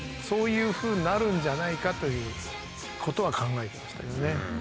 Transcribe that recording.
そういうふうになるんじゃないかということは考えてましたけどね。